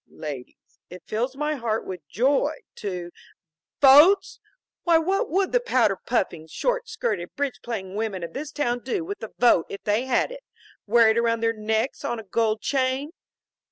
"Ladies, it fills my heart with joy to " "Votes! Why what would the powder puffing, short skirted, bridge playing women of this town do with the vote if they had it? Wear it around their necks on a gold chain?"